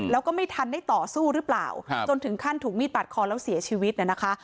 แล้วก็ไม่ทันได้ต่อสู้หรือเปล่าจนถึงขั้นถูกมีดปาดคอแล้วเสียชีวิตเนี่ยนะคะ